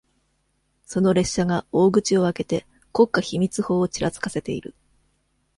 その列車が、大口を開けて、国家秘密法をちらつかせている。